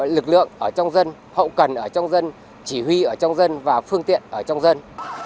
lực lượng ở trong dân hậu cần ở trong dân chỉ huy ở trong dân và phương tiện ở trong dân